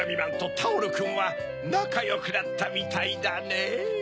タオルくんはなかよくなったみたいだねぇ。